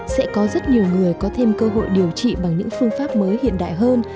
sẽ có rất nhiều người có thêm cơ hội điều trị bằng những phương pháp mới hiện đại hơn